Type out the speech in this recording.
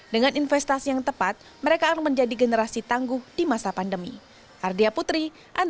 dengan investasi yang tepat mereka akan menjadi generasi tangguh di masa pandemi